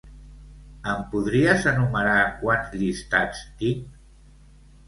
Em podries enumerar quants llistats tinc?